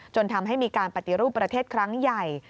จนทำให้มีการปฏิรูปประเทศครั้งใหญ่